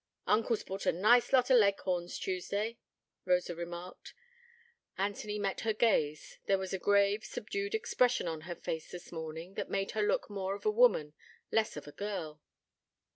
'Uncle's bought a nice lot o' Leghorns, Tuesday,' Rosa remarked. Anthony met her gaze; there was a grave, subdued expression on her face this morning, that made her look more of a woman, less of a girl.